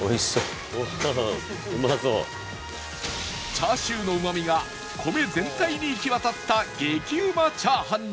チャーシューのうまみが米全体に行き渡った激うまチャーハンに